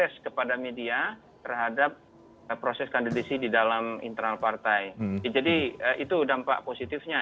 jadi itu adalah dampak positifnya